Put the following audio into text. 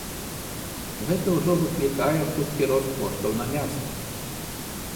Гэта ўжо выклікае хуткі рост коштаў на мяса.